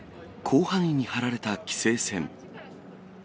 広範囲に張られた規制線。